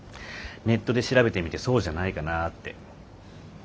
ネットで調べてみてそうじゃないかなって。